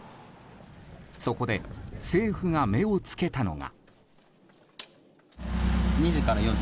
そこで政府が目を付けたのが。